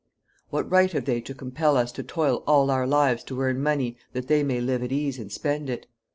What right have they to compel us to toil all our lives to earn money, that they may live at ease and spend it?